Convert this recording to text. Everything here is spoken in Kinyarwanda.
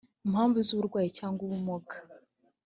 mpamvu z uburwayi cyangwa ubumuga